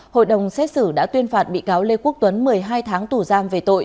hội đồng xét xử đã tuyên phạt bị cáo lê quốc tuấn một mươi hai tháng tù giam về tội